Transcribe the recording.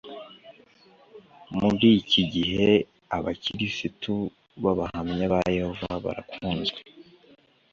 Muri iki gihe Abakirisitu b Abahamya ba yehova barakunzwe